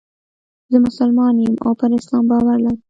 زه مسلمان یم او پر اسلام باور لرم.